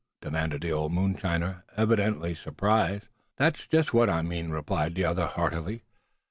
demanded the old moonshiner, evidently surprised. "That's just what I mean," replied the other, heartily.